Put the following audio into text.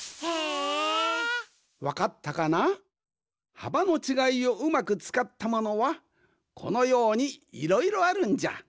はばのちがいをうまくつかったものはこのようにいろいろあるんじゃ。